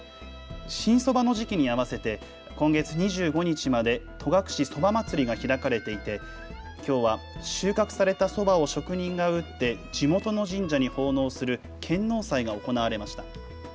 新そばの時期に合わせて今月２５日まで戸隠そば祭りが開かれていてきょうは収穫されたそばを職人が打って地元の神社に奉納する献納祭が行われました。